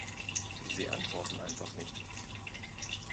Sie antworten einfach nicht.